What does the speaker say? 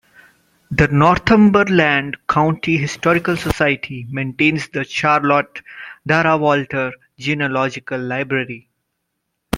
The Northumberland County Historical Society maintains the Charlotte Darrah Walter Genealogical Library.